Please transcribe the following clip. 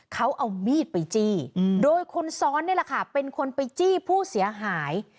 เขาเอามีดไปจี้โดยคนซ้อนนี่แหละค่ะเป็นคนไปจี้ผู้เสียหาย